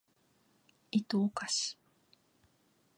いとをかし